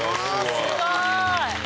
すごーい！